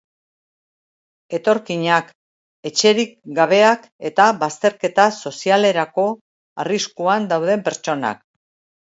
Etorkinak, etxerik gabeak eta bazterketa sozialerako arriskuan dauden pertsonak.